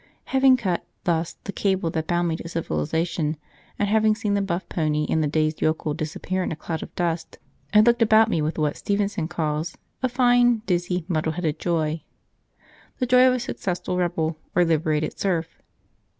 Having cut, thus, the cable that bound me to civilisation, and having seen the buff pony and the dazed yokel disappear in a cloud of dust, I looked about me with what Stevenson calls a "fine, dizzy, muddle headed joy," the joy of a successful rebel or a liberated serf.